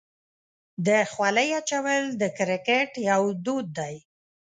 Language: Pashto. د خولۍ اچول د کرکټ یو دود دی.